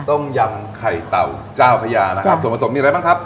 ต้มยำไข่เต่าเจ้าพญานะครับส่วนผสมมีอะไรบ้างครับ